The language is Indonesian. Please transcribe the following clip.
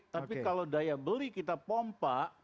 tapi kalau daya beli kita pompa